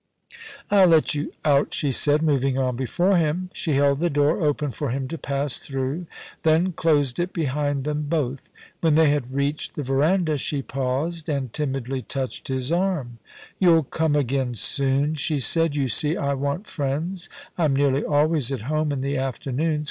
* I'll let you out,' she said, moving on before him. She held the door open for him to pass through, then closed it behind them both. When they had reached the verandah, she paused, and timidly touched his arm. * You'll come again soon,' she said. * You see I want friends ; I'm nearly always at home in the afternoons.